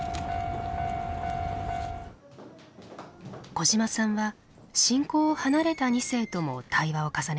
小嶌さんは信仰を離れた２世とも対話を重ねている。